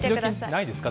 ないですか？